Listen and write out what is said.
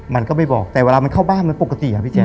มันก็ไม่บอกแต่เวลามันเข้าบ้านมันปกติอะพี่แจ